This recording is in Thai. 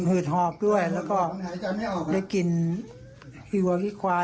หืดหอบกินหั่วคิตขวา